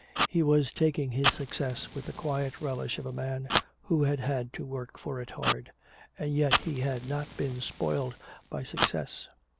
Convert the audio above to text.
He was taking his success with the quiet relish of a man who had had to work for it hard. And yet he had not been spoiled by success.